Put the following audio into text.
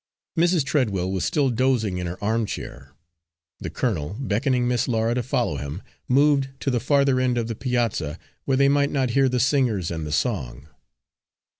Mrs. Treadwell was still dozing in her armchair. The colonel, beckoning Miss Laura to follow him, moved to the farther end of the piazza, where they might not hear the singers and the song.